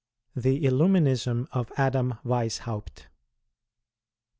The Illuminism of Adam Weishauft.